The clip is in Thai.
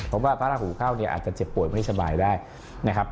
เพราะว่าพระหูเข้าอาจจะเจ็บป่วยไม่ที่สบายได้